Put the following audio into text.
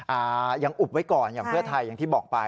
อ่ายังอุบไว้ก่อนอย่างเพื่อไทยอย่างที่บอกไป